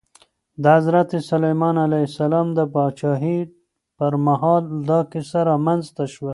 د حضرت سلیمان علیه السلام د پاچاهۍ پر مهال دا کیسه رامنځته شوه.